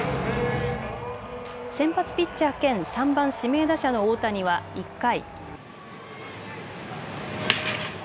先発ピッチャー兼３番・指名打者の大谷は１回。